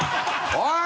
おい！